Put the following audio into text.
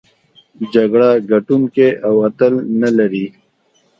جګړه ګټوونکی او اتل نلري.